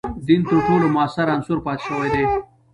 دین تر ټولو موثر عنصر پاتې شوی دی.